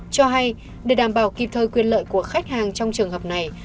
cho hay để đảm bảo kịp thời quyền lợi của khách hàng trong trường hợp này